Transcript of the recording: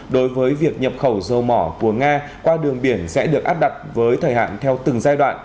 đối với việc nhập khẩu dầu mỏ của nga qua đường biển sẽ được áp đặt với thời hạn theo từng giai đoạn